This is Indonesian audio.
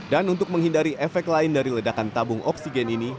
dan untuk menghindari efek lain dari ledakan tabung oksigen ini